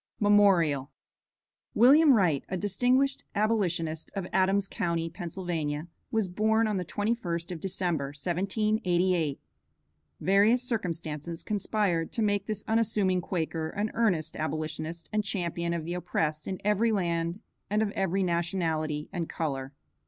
MEMORIAL. William Wright, a distinguished abolitionist of Adams county, Pennsylvania, was born on the 21st of December, 1788. Various circumstances conspired to make this unassuming Quaker an earnest Abolitionist and champion of the oppressed in every land and of every nationality and color.